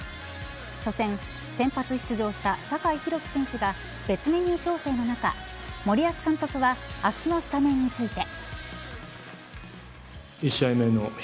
初戦、先発出場した酒井宏樹選手が別メニュー調整の中森保監督は明日のスタメンについて。